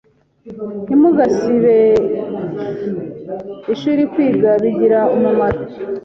ntimugasibe ishurikwiga bigira umumaro.